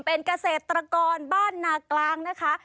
เป็นเกษตรกรบ้านนากลางนะคะ